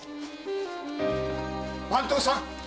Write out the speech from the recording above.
番頭さん！